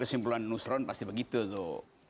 kesimpulan nusron pasti begitu tuh